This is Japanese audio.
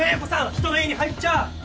人の家に入っちゃ！